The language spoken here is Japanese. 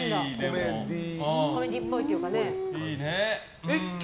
コメディーっぽいっていうかね。